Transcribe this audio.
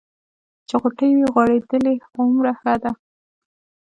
چې غوټۍ وي غوړېدلې هومره ښه ده.